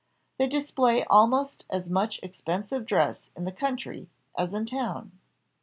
They display almost as much expensive dress in the country as in town.